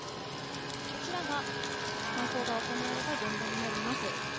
こちらが犯行が行われた現場になります。